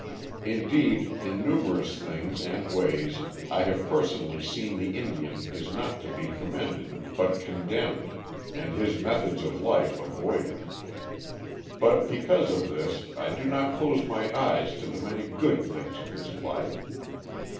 Indeed, in numerous things and ways I have personally seen the Indian is not to be commended, but condemned, and his methods of life avoided. But because of this, I do not close my eyes to the many good things of his life.